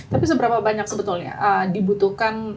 tapi seberapa banyak sebetulnya dibutuhkan